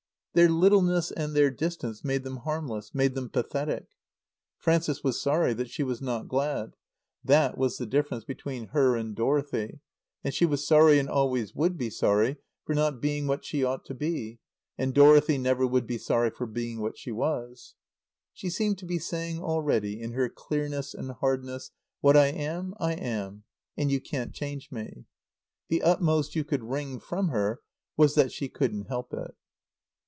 Their littleness and their distance made them harmless, made them pathetic. Frances was sorry that she was not glad. That was the difference between her and Dorothy, that she was sorry and always would be sorry for not being what she ought to be; and Dorothy never would be sorry for being what she was. She seemed to be saying, already, in her clearness and hardness, "What I am I am, and you can't change me." The utmost you could wring from her was that she couldn't help it.